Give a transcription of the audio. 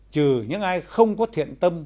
trừ những ai không có thiện tâm